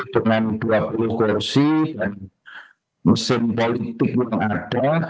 dengan dua puluh versi dan mesin politik yang ada